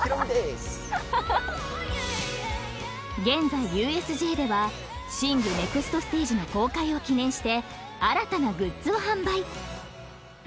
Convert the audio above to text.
［現在ＵＳＪでは『ＳＩＮＧ／シング：ネクストステージ』の公開を記念して新たなグッズを販売］